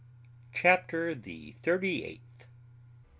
CHAPTER THE THIRTY EIGHTH.